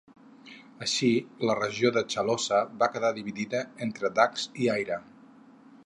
Així la regió de Chalossa va quedar dividida entre Dacs i Aire.